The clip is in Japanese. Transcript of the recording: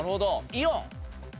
イオン。